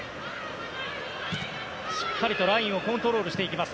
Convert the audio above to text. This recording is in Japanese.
しっかりとラインをコントロールしていきます。